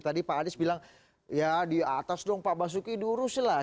tadi pak anies bilang ya di atas dong pak basuki diurus lah